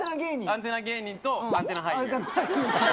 アンテナ芸人とアンテナ俳優。